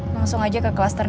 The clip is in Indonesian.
langsung aja ke kelas terniru